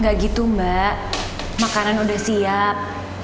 gak gitu mbak makanan udah siap